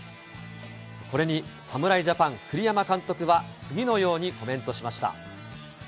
これに侍ジャパン、栗山監督は、次のようにコメントしました。